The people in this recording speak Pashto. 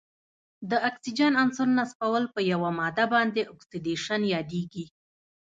د اکسیجن عنصر نصبول په یوه ماده باندې اکسیدیشن یادیږي.